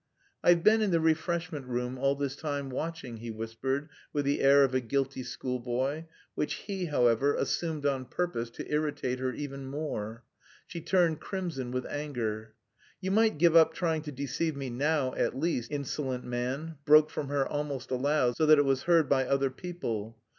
"I've been in the refreshment room all this time, watching," he whispered, with the air of a guilty schoolboy, which he, however, assumed on purpose to irritate her even more. She turned crimson with anger. "You might give up trying to deceive me now at least, insolent man!" broke from her almost aloud, so that it was heard by other people.